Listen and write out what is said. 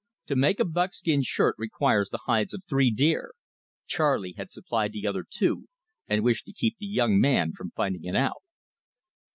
To make a buckskin shirt requires the hides of three deer. Charley had supplied the other two, and wished to keep the young man from finding it out.